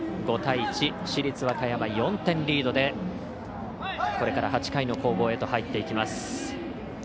５対１、市立和歌山４点リードでこれから８回の攻防へと入っていきます。